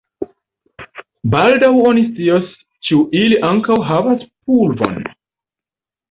Baldaŭ oni scios, ĉu ili ankaŭ havas pulvon.